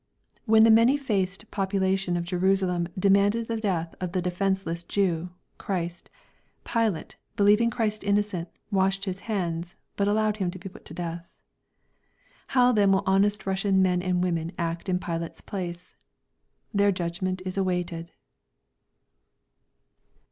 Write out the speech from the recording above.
When the many raced populace of Jerusalem demanded the death of the defenceless Jew, Christ, Pilate, believing Christ innocent, washed his hands, but allowed him to be put to death. How then will honest Russian men and women act in Pilate's place? Their judgment is awaited.